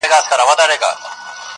سپی دي څنکه ښخوی د مړو خواته,